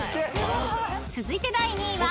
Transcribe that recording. ［続いて第２位は？］